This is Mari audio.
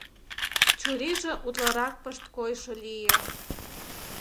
Чурийже утларак пышткойшо лие.